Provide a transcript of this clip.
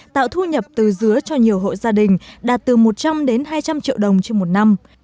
tạo thu nhập từ dứa cho nhiều hộ gia đình đạt từ một trăm linh đến hai trăm linh triệu đồng trên một năm